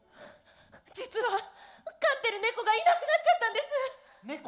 実は飼ってるネコがいなくなっちゃったんです！ネコ！？